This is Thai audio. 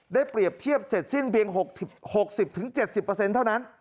เปรียบเทียบเสร็จสิ้นเพียง๖๐๗๐เท่านั้น